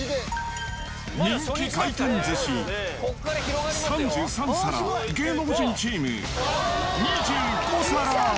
人気回転寿司３３皿、芸能人チーム２５皿。